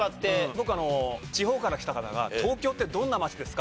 僕地方から来た方が東京ってどんな街ですか？